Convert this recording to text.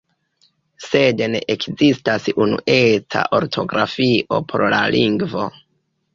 Sed ne ekzistas unueca ortografio por la lingvo.